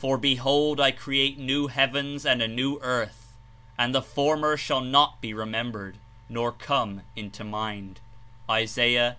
^'For behold, I create nezi heavens and a new earth; and the former shall not he remembered, nor come into mind J* (Is.